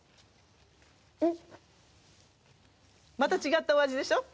また違ったお味でしょ？